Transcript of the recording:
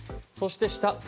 そして、下。